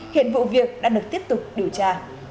hiện vụ việc đã được tiếp tục điều tra